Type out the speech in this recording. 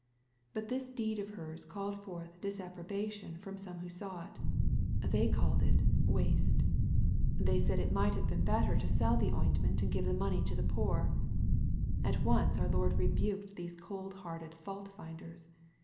But this deed of hers called forth dis • approbation from some who saw it They called it ^' m^ate.'' They said it might have been better to sell the ointment, and give the money to the poor. At once our Lord rebuked these cold hearted fault finders.